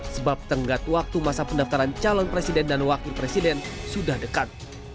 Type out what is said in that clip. sebab tenggat waktu masa pendaftaran calon presiden dan wakil presiden sudah dekat